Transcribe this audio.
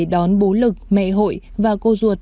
đón bố lực mẹ hội và cô ruột